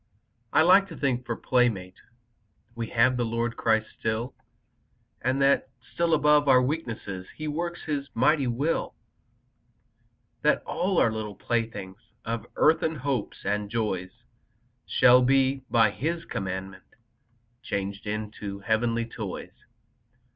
I like to think, for playmate We have the Lord Christ still, And that still above our weakness He works His mighty will, That all our little playthings Of earthen hopes and joys Shall be, by His commandment, Changed into heavenly toys.